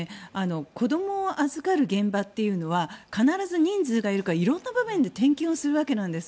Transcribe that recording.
子どもを預かる現場っていうのは必ず人数がいるから色んな場面で点検をするんです。